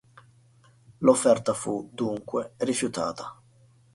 L'offerta fu, dunque, rifiutata.